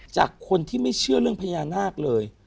จากคนที่ไม่เชื่อเรื่องพญานาคเลย